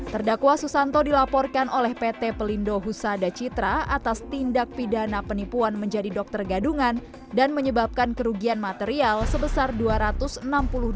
terdakwa susanto dilaporkan oleh pt pelindo husada citra atas tindak pidana penipuan menjadi dokter gadungan dan menyebabkan kerugian material sebesar dua ratus enam puluh